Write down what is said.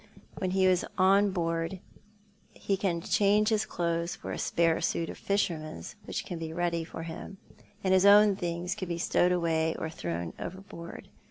When he is on board her he can change his clothes for a spare suit of the fisherman's which can be ready for him, and his own things can be stowed away or thrown overboard.